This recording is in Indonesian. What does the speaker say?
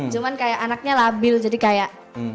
cuman kayak anaknya labil jadi kayak